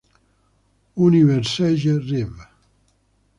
Universelle Rev.